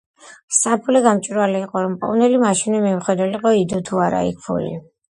საფულე გამჭვირვალე იყო, რომ მპოვნელი მაშინვე მიხვედრილიყო, იდო თუ არა იქ ფული.